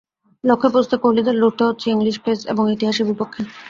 লক্ষ্যে পৌঁছাতে কোহলিদের লড়তে হচ্ছে ইংলিশ পেস আর ইতিহাসের বিপক্ষে।